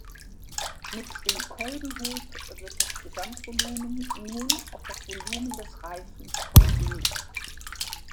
Mit dem Kolbenhub wird das Gesamtvolumen nun auf das Volumen des Reifens komprimiert.